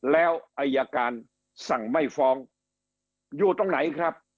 แล้วอายการสั่งไม่ฟ้องอยู่ตรงไหนครับ